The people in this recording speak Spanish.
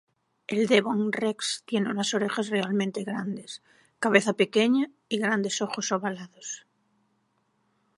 El devon rex tiene unas orejas realmente grandes, cabeza pequeña y grandes ojos ovalados.